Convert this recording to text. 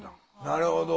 なるほど。